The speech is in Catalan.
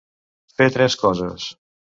Fer tres coses.